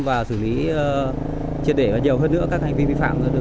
và xử lý triệt để và nhiều hơn nữa các hành vi vi phạm